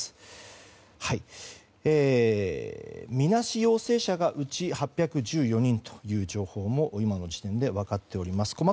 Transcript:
みなし陽性者がうち８１４人という情報も今の時点で分かっております。